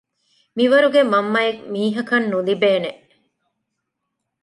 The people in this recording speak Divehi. މިވަރުގެ މަންމައެއް މީހަކަށް ނުލިބޭނެ